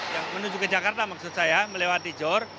yang menuju ke jakarta maksud saya melewati jor